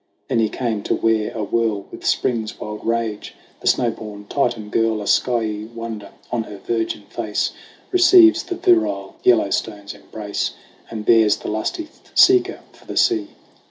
Then he came to where, awhirl With Spring's wild rage, the snow born Titan girl, A skyey wonder on her virgin face, Receives the virile Yellowstone's embrace And bears the lusty Seeker for the Sea.